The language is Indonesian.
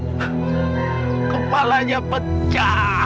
saya mencoba untuk menjelaskan